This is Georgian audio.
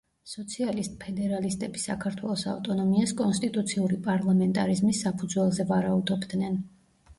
სოციალისტ-ფედერალისტები საქართველოს ავტონომიას კონსტიტუციური პარლამენტარიზმის საფუძველზე ვარაუდობდნენ.